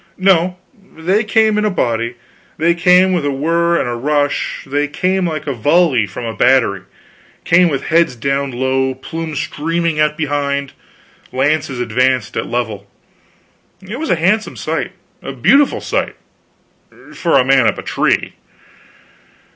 No, they came in a body, they came with a whirr and a rush, they came like a volley from a battery; came with heads low down, plumes streaming out behind, lances advanced at a level. It was a handsome sight, a beautiful sight for a man up a tree.